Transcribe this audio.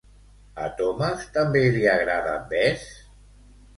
A Thomas també li agrada Bess?